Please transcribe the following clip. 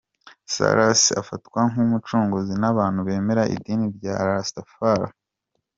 Selassie afatwa nk’umucunguzi n’abantu bemera idini ya Rastafari.